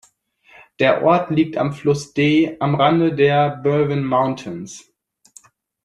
Der Ort liegt am "Fluss Dee" am Rande der "Berwyn Mountains".